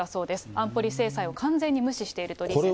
安保理制裁を完全に無視している取り引きです。